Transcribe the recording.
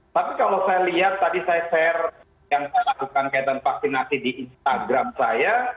tapi kalau saya lihat tadi saya share yang saya lakukan kaitan vaksinasi di instagram saya